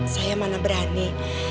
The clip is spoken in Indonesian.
saya mana berani